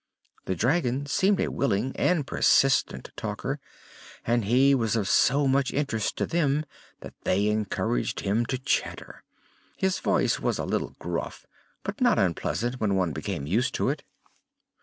The dragon seemed a willing and persistent talker and he was of so much interest to them that they encouraged him to chatter. His voice was a little gruff but not unpleasant when one became used to it.